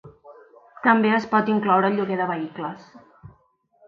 També es pot incloure el lloguer de vehicles.